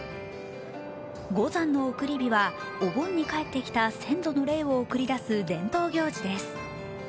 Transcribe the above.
五山送り火は、お盆に帰ってきた先祖の霊を送り出す伝統行事です。